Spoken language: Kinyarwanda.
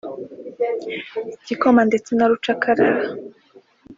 igikoma ndetse na rukacarara